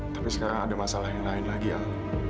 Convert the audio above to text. tapi sekarang ada masalah yang lain lagi ya